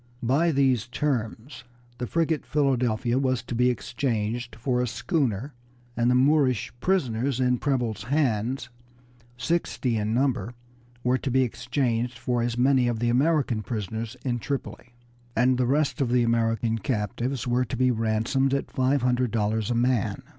By these terms the frigate Philadelphia was to be exchanged for a schooner, and the Moorish prisoners in Preble's hands, sixty in number, were to be exchanged for as many of the American prisoners in Tripoli, and the rest of the American captives were to be ransomed at five hundred dollars a man.